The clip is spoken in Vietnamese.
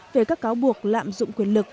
về các cáo buộc lạm dụng quyền lực